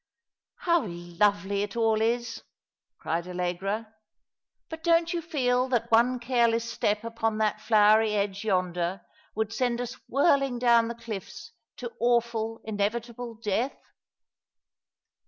" How lovely it all is !" cried Allegra. " But don't you feel that one careless step upon that flowery edge yonder would send us whirling down the cliffs to awful, inevitable death